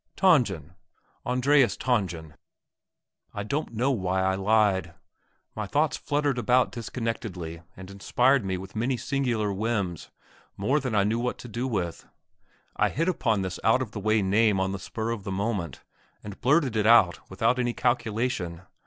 "Tangen Andreas Tangen!" I don't know why I lied; my thoughts fluttered about disconnectedly and inspired me with many singular whims, more than I knew what to do with. I hit upon this out of the way name on the spur of the moment, and blurted it out without any calculation.